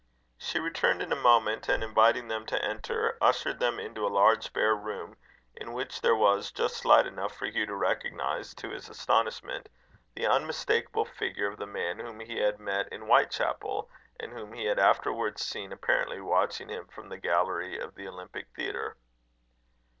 She returned in a moment, and, inviting them to enter, ushered them into a large bare room, in which there was just light enough for Hugh to recognize, to his astonishment, the unmistakeable figure of the man whom he had met in Whitechapel, and whom he had afterwards seen apparently watching him from the gallery of the Olympic Theatre.